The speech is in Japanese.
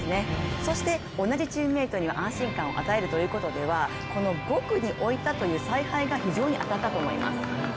そして同じチームメートに安心感を与えるということではこの５区に置いたという采配が非常に当たったと思います。